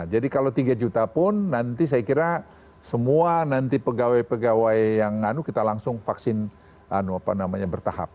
jadi kalau tiga juta pun nanti saya kira semua nanti pegawai pegawai yang anu kita langsung vaksin bertahap